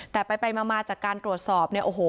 แต่ไปมาจากการตรวจสอบเนี่ยโอ้โห